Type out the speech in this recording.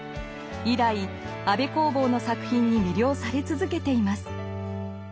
以来安部公房の作品に魅了され続けています。